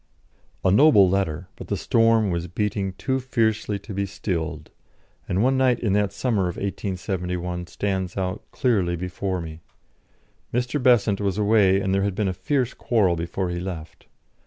D ." A noble letter, but the storm was beating too fiercely to be stilled, and one night in that summer of 1871 stands out clearly before me. Mr. Besant was away, and there had been a fierce quarrel before he left.